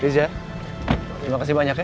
riza terima kasih banyak ya